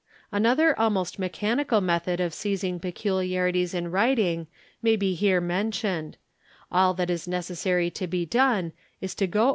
_ Another almost mechanical method of seizing peculiarities in writing — may here be mentioned; all that is necessary to be done is to go.